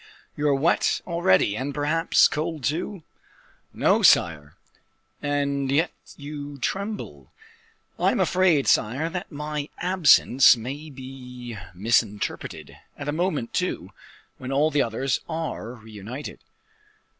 You are wet already, and perhaps cold too?" "No, sire." "And yet you tremble?" "I am afraid, sire, that my absence may be misinterpreted; at a moment, too, when all the others are reunited."